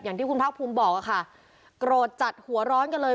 อย่างที่คุณภาคภูมิบอกอะค่ะโกรธจัดหัวร้อนกันเลย